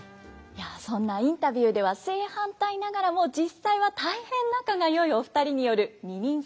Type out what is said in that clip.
いやそんなインタビューでは正反対ながらも実際は大変仲が良いお二人による「二人三番叟」。